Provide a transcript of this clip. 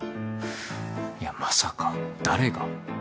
いやまさか誰が。